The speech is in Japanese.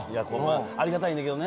ありがたいねんけどね。